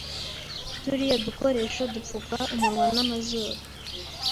Turiya dukoresho dupfuka umunwa n'amazuru